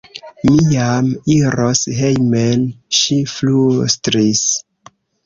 Mi jam iros hejmen, ŝi flustris.